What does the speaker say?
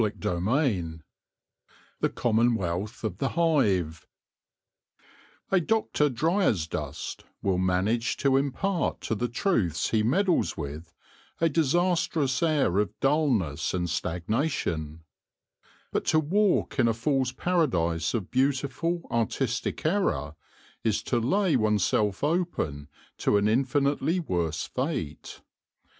CHAPTER V THE COMMONWEALTH OF THE HIVE A DOCTOR DRYASDUST will manage to impart to the truths he meddles with a disastrous air [of dullness and stagnation ; but to walk in a fools' paradise of beautiful, artistic error is to lay one self open to an infinitely worse fate.